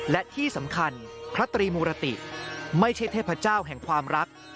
และที่สำคัญพระตรีมุรติไม่ใช่เทพเจ้าแห่งความรัก